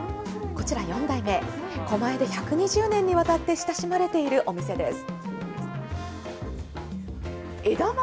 こちら４代目、狛江で１２０年にわたって親しまれているお店です。